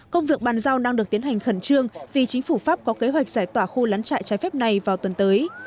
công việc bàn giao đang được tiến hành khẩn trương vì chính phủ pháp có kế hoạch giải tỏa khu lán trại trái phép này vào tuần tới